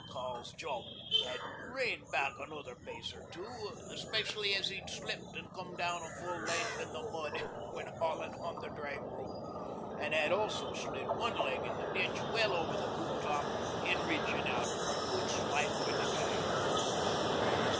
Col.'s job had reined back another pace or two, especially as he'd slipped an' come down full length in the mud when haulin' on the drag rope, an' had also slid one leg in the ditch well over the boot top in reachin' out for a good swipe wi' the cane.